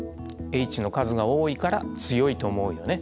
Ｈの数が多いから強いと思うよね。